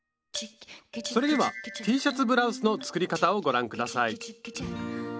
それではＴシャツブラウスの作り方をご覧ください。